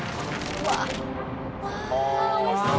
うわっおいしそう！